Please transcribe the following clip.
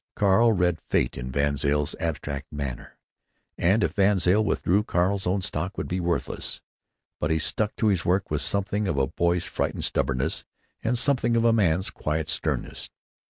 Carl read fate in VanZile's abstracted manner. And if VanZile withdrew, Carl's own stock would be worthless. But he stuck at his work, with something of a boy's frightened stubbornness and something of a man's quiet sternness.